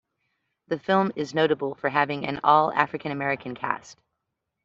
The film is notable for having an all-African-American cast.